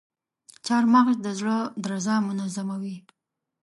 چارمغز د زړه درزا منظموي.